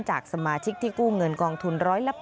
จากสมาชิกที่กู้เงินกองทุน๑๘๐